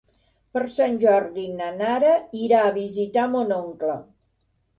Per Sant Jordi na Nara irà a visitar mon oncle.